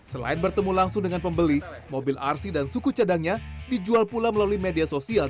selain bertemu langsung dengan pembeli mobil rc dan suku cadangnya dijual pula melalui media sosial